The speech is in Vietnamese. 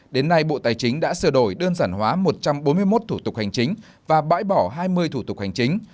đến nay bộ tài chính đã sửa đổi đơn giản hóa một trăm bốn mươi một thủ tục hành chính và bãi bỏ hai mươi thủ tục hành chính